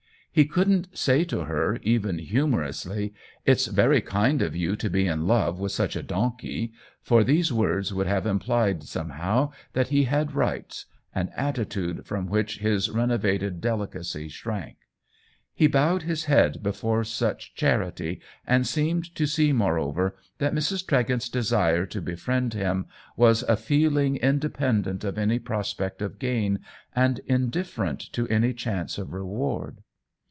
He couldn't say to her, even hu I 8o THE WHEEL OF TIME morously, " It's very kind of you to be in love with such a donkey," for these words would have implied somehow that he had rights — an attitude from which his reno vated delicacy shrank. He bowed his head before such charity, and seemed to see moreover that Mrs. Tregent's desire to be friend him was a feeling independent of any prospect of gain and indifferent to any chance of reward.